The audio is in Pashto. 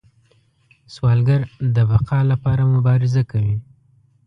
سوالګر د بقا لپاره مبارزه کوي